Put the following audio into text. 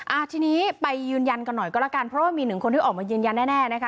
อ่าทีนี้ไปยืนยันกันหน่อยก็แล้วกันเพราะว่ามีหนึ่งคนที่ออกมายืนยันแน่แน่นะคะ